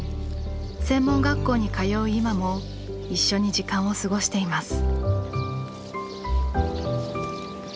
専門学校に通う今も一緒に時間を過ごしています。